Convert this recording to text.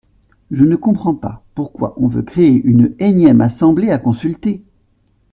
Je ne comprends pas pourquoi on veut créer une énième assemblée à consulter.